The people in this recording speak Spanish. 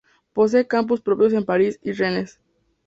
Posee campus propios en París y Rennes.